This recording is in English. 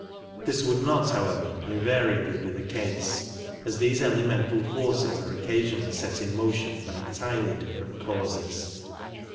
This would not, however, invariably be the case, as these ele mental forces are occasionally set in motion by entirely different causes.